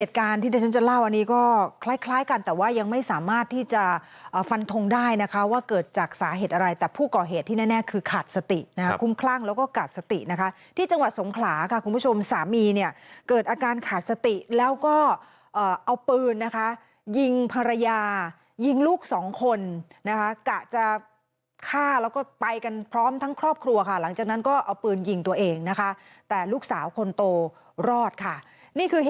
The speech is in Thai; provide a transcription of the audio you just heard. เหตุการณ์ที่ท่านจะเล่าอันนี้ก็คล้ายกันแต่ว่ายังไม่สามารถที่จะฟันทงได้นะคะว่าเกิดจากสาเหตุอะไรแต่ผู้ก่อเหตุที่แน่คือขาดสติคุ้มคลั่งแล้วก็กะสตินะคะที่จังหวัดสงขลาค่ะคุณผู้ชมสามีเนี่ยเกิดอาการขาดสติแล้วก็เอาปืนนะคะยิงภรรยายิงลูกสองคนนะคะกะจะฆ่าแล้วก็ไปกันพร้อมทั้งครอบครัวค่ะห